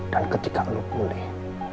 dan ketika lo pulih